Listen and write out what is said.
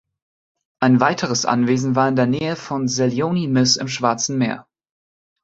Ein weiteres Anwesen war in der Nähe von Zelyony Myss im Schwarzen Meer.